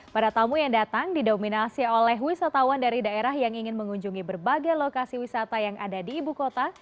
para tamu yang datang didominasi oleh wisatawan dari daerah yang ingin mengunjungi berbagai lokasi wisata yang ada di ibu kota